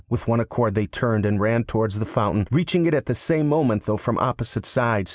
With one accord they turned and ran towards the fountain, reaching it at the same moment, though from opposite sides.